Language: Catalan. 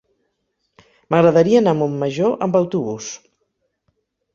M'agradaria anar a Montmajor amb autobús.